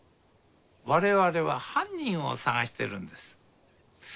我々は犯人を捜してるんです。